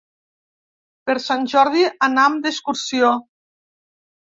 Per Sant Jordi anam d'excursió.